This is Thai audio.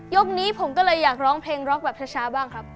นี้ผมก็เลยอยากร้องเพลงร็อกแบบช้าบ้างครับ